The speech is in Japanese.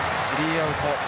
スリーアウト。